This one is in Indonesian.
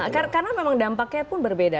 karena memang dampaknya pun berbeda